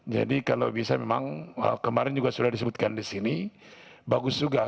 jadi kalau bisa memang kemarin juga sudah disebutkan di sini bagus juga